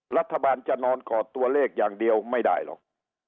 รัฐบาลจะนอนกอดตัวเลขอย่างเดียวไม่ได้หรอก